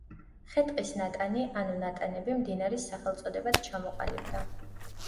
ხე-ტყის ნატანი, ანუ ნატანები, მდინარის სახელწოდებად ჩამოყალიბდა.